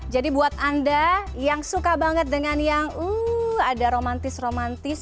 jadi buat anda yang suka banget dengan yang ada romantis romantis